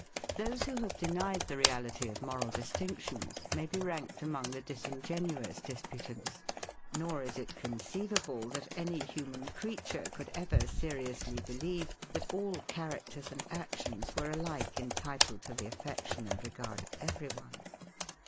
Those who have denied the reality of moral distinctions, may be ranked among the disingenuous disputants; nor is it conceivable, that any human creature could ever seriously believe, that all characters and actions were alike entitled to the affection and regard of everyone.